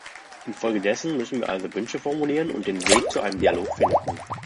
Infolgedessen müssen wir also Wünsche formulieren und den Weg zu einem Dialog finden.